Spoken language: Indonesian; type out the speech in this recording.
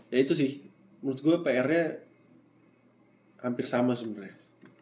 ya itu sih menurut gue pr nya hampir sama sebenarnya